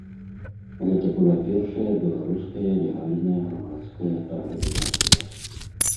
Гэта была першая беларуская легальная грамадская арганізацыя.